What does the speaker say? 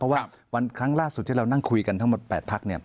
เพราะว่าวันครั้งล่าสุดที่เรานั่งคุยกันทั้งหมด๘พัก